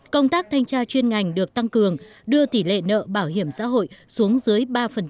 công tác thanh tra chuyên ngành được tăng cường đưa tỷ lệ nợ bảo hiểm xã hội xuống dưới ba